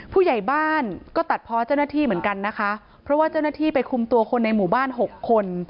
ผู้ใหญ่บ้านก็ตัดเพาะเจ้าหน้าที่เหมือนกันนะคะเพราะว่าเจ้าหน้าที่ไปคุมตัวคนในหมู่บ้านหกคน